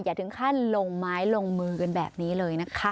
ถึงขั้นลงไม้ลงมือกันแบบนี้เลยนะคะ